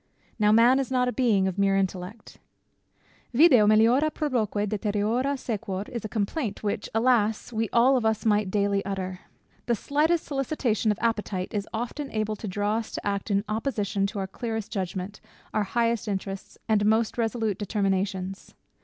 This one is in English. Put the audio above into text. Now, man is not a being of mere intellect. Video meliora proboque, deteriora sequor, is a complaint which, alas! we all of us might daily utter. The slightest solicitation of appetite is often able to draw us to act in opposition to our clearest judgment, our highest interests, and most resolute determinations.